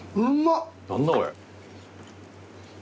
何だこれ。